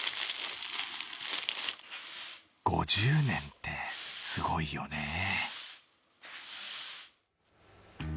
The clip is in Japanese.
５０年ってすごいよね。